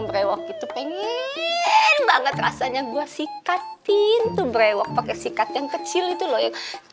berewok itu pengen banget rasanya gua sikatin tuh berewok pakai sikat yang kecil itu lo ya